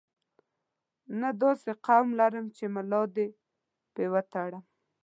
نه داسې قوم لرم چې ملا دې په وتړم.